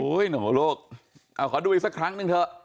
โอ้ยหนูโลกขอดูอีกสักครั้งนึงเถอะ